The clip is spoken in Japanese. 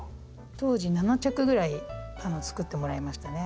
当時７着ぐらい作ってもらいましたね。